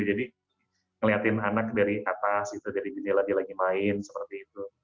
jadi ngeliatin anak dari atas gitu dari bini lagi lagi main seperti itu